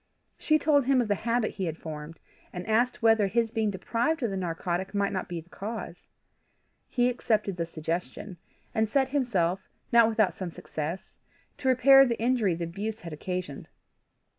She told him of the habit he had formed, and asked whether his being deprived of the narcotic might not be the cause. He accepted the suggestion, and set himself, not without some success, to repair the injury the abuse had occasioned.